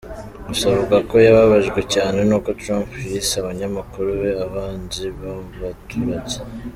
Gusa avuga ko yababajwe cyane n’uko Trump yise abanyamakuru be abanzi b’abaturage.